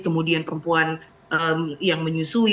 kemudian perempuan yang menyusun